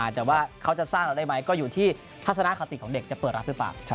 แต่ว่าเขาจะสร้างเราได้ไหมก็อยู่ที่ทัศนคติของเด็กจะเปิดรับหรือเปล่า